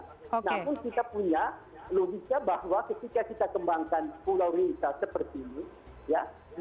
namun kita punya logisnya bahwa ketika kita kembangkan pulau rinca seperti ini